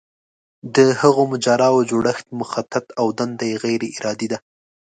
د هغه د مجراوو جوړښت مخطط او دنده یې غیر ارادي ده.